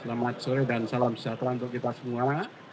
selamat sore dan salam sejahtera untuk kita semua